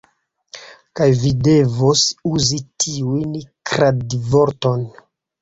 Kaj vi devos uzi tiun kradvorton.